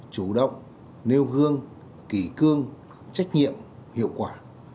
chủ động nêu gương kỳ cương trách nhiệm hiệu quả